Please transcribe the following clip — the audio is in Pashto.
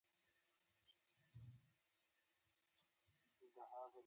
ګرګين کېناست، عسکر ته يې په حيرانۍ وکتل.